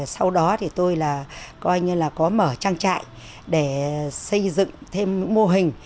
sau đó tôi có mở trang trại để xây dựng thêm mô hình